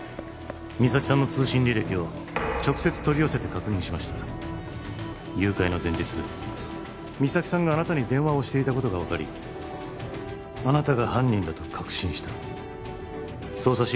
実咲さんの通信履歴を直接取り寄せて確認しました誘拐の前日実咲さんがあなたに電話をしていたことが分かりあなたが犯人だと確信した捜査資料の通信履歴は